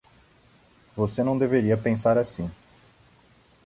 Você não deveria pensar assim!